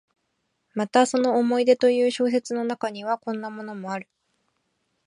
またその「思い出」という小説の中には、こんなのもある。